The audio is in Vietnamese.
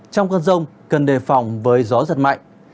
trong cơn rông cần đề phòng với gió giật mạnh